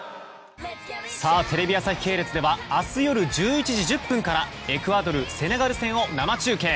テレビ朝日系列では明日夜１１時１０分からエクアドル・セネガル戦を生中継。